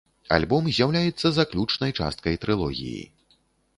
Альбом з'яўляецца заключнай часткай трылогіі.